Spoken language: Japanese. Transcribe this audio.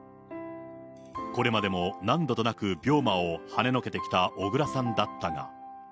これまでも何度となく病魔をはねのけてきた小倉さんだったが。